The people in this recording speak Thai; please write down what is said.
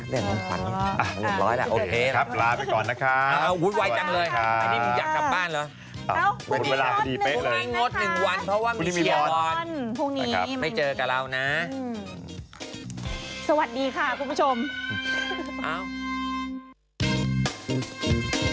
สวัสดีค่ะคุณผู้ชม